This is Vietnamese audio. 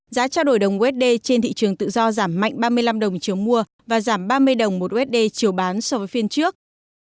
giá trao đổi đồng usd trên thị trường tự do giảm mạnh ba mươi năm đồng chiều mua và giảm ba mươi đồng một usd chiều bán so với phiên trước